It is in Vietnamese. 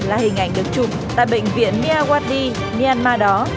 là hình ảnh được trùng tại bệnh viện miyawati myanmar đó